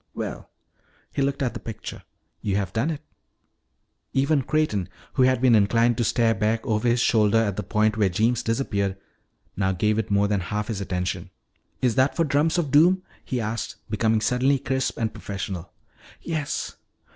Well," he looked at the picture, "you have done it!" Even Creighton, who had been inclined to stare back over his shoulder at the point where Jeems disappeared, now gave it more than half his attention. "Is that for Drums of Doom?" he asked becoming suddenly crisp and professional. "Yes."